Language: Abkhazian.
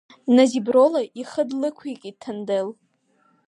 Назиброла ихы нлықәикит Ҭандел.